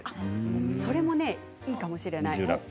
それもいいかもしれません。